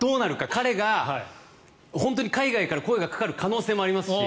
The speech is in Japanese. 彼が本当に海外から声がかかる可能性もありますし。